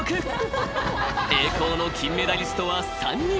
［栄光の金メダリストは３人。